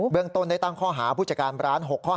เบื้องต้นได้ตั้งข้อหาผู้จัดการร้าน